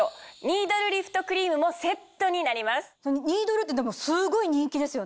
ニードルってすごい人気ですよね。